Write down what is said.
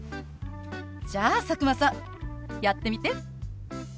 じゃあ佐久間さんやってみて。